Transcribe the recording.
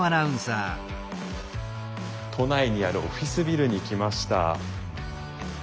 都内にあるオフィスビルに来ました。